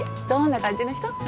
どんな感じの人？